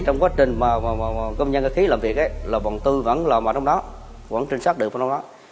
trong quá trình mà công nhân cơ khí làm việc ấy là vòng tư vẫn là trong đó vẫn trinh sát được trong đó